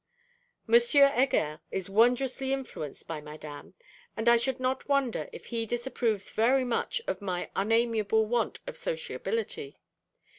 M. Heger is wondrously influenced by Madame: and I should not wonder if he disapproves very much of my unamiable want of sociability.